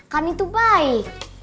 kami tuh baik